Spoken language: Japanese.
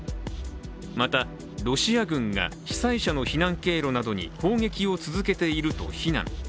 またロシア軍が被災者の避難経路などに砲撃を続けていると非難。